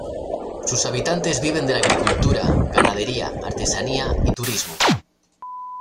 Sus habitantes viven de la agricultura, ganadería, artesanía y turismo.